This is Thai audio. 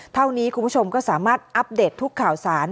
เท่านี้คุณผู้ชมก็สามารถอัปเดตทุกข่าวสาร